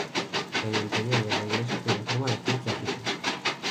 El interior de la iglesia tiene forma de cruz latina.